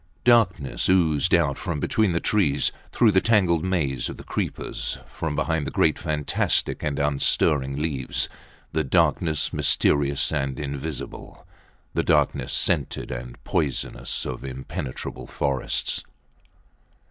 Darkness oozed out from between the trees, through the tangled maze of the creepers, from behind the great fantastic and unstirring leaves; the darkness, mysterious and invincible; the darkness scented and poisonous of impenetrable forests.